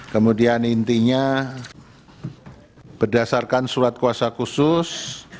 kemudian intinya berdasarkan surat kuasa khusus